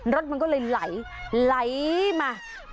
รถมันก็เลยไหลไหลมา